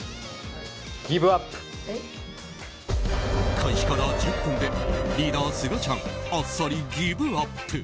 開始から１０分でリーダー・すがちゃんあっさりギブアップ。